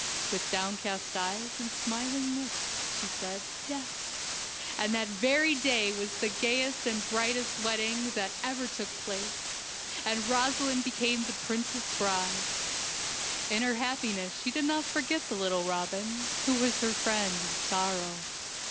With downcast eyes and smiling lips she said, "yes," and that very day was the gayest and brightest wedding that ever 122 FAIRY TALES took place, and Rosaleen became the prince's bride. In her happiness she did not forget the little robin, who was her friend in sorrow.